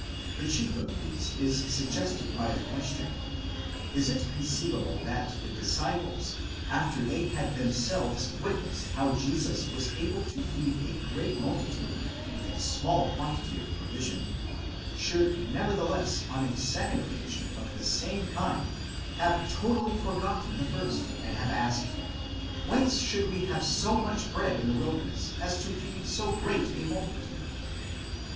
The chief of these is suggested by the question : Is it conceivable that the disciples, after they had themselves witnessed how Jesus was able to feed a great multitude with a small quantity of provision, should nevertheless on a second occasion of the same kind, have totally forgotten the first, and have asked, Whence should we have so much bread in the wilderness as to feed so great a multitude?